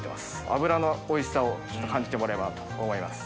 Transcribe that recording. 脂のおいしさを感じてもらえればなと思います。